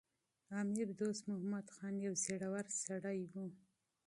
امیر دوست محمد خان یو زړور سړی و.